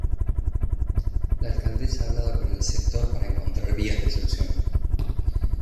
La alcaldesa ha hablado con el sector para encontrar vías de solución.